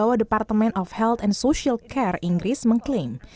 di bawah department of health and social care inggris mengklaim